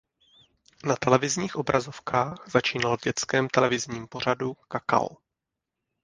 Na televizních obrazovkách začínal v dětském televizním pořadu Kakao.